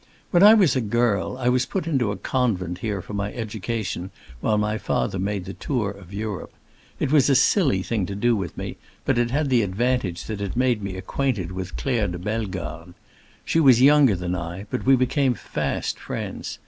When I was a girl I was put into a convent here for my education, while my father made the tour of Europe. It was a silly thing to do with me, but it had the advantage that it made me acquainted with Claire de Bellegarde. She was younger than I but we became fast friends.